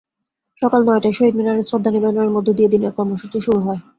সকাল নয়টায় শহীদ মিনারে শ্রদ্ধা নিবেদনের মধ্য দিয়ে দিনের কর্মসূচি শুরু হয়।